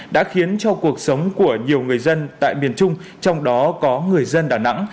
đã khiến cho cuộc sống của nhiều người dân tại miền trung trong đó có người dân đà nẵng